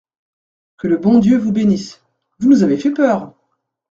Que le bon Dieu vous bénisse !… vous nous avez fait peur !…